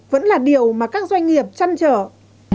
vẫn là điều mà các doanh nghiệp chăn trở